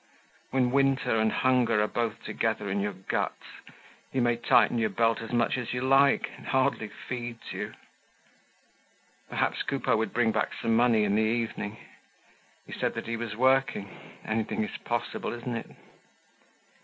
When winter and hunger are both together in your guts, you may tighten your belt as much as you like, it hardly feeds you. Perhaps Coupeau would bring back some money in the evening. He said that he was working. Anything is possible, isn't it?